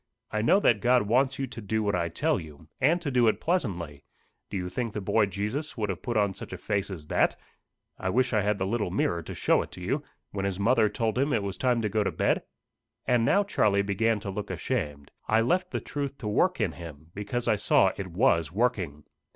"I know that God wants you to do what I tell you, and to do it pleasantly. Do you think the boy Jesus would have put on such a face as that I wish I had the little mirror to show it to you when his mother told him it was time to go to bed?" And now Charlie began to look ashamed. I left the truth to work in him, because I saw it was working.